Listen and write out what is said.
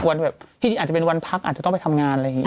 แบบที่จริงอาจจะเป็นวันพักอาจจะต้องไปทำงานอะไรอย่างนี้